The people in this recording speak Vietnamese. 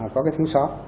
có cái thính sóc